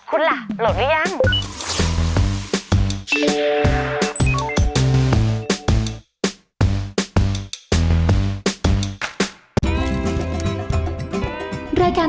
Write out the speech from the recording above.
คุณล่ะโหลดหรือยัง